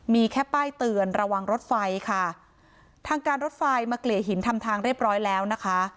มีแค่ป้ายเตือนระวังรถไฟค่ะทางการรถไฟมาเกลี่ยหินทำทางเรียบร้อยแล้วนะคะ